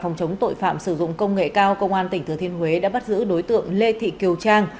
phòng chống tội phạm sử dụng công nghệ cao công an tỉnh thừa thiên huế đã bắt giữ đối tượng lê thị kiều trang